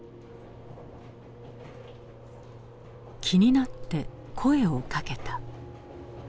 気になって声をかけた。